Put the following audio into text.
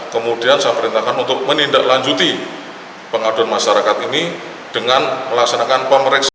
kemudian saya perintahkan untuk menindaklanjuti pengaduan masyarakat ini dengan melaksanakan pemeriksaan